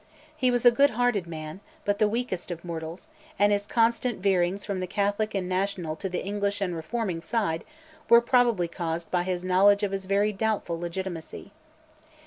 He was a good hearted man, but the weakest of mortals, and his constant veerings from the Catholic and national to the English and reforming side were probably caused by his knowledge of his very doubtful legitimacy.